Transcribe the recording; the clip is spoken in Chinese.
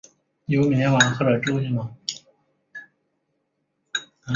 张瑞竹亦是新兴宗教山达基教知名教徒之一。